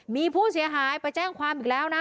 มีผู้เสียหายไปแจ้งความอีกแล้วนะ